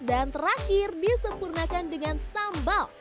dan terakhir disempurnakan dengan sambal